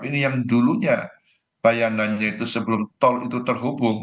ini yang dulunya bayangannya itu sebelum tol itu terhubung